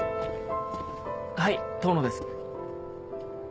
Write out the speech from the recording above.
はい遠野です。